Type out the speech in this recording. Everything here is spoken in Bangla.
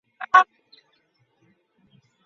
তিনি ভালো বেতনের এই সরকারি পদে চাকরি পান।